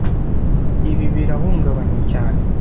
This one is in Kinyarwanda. Ibi birahungabanya cyane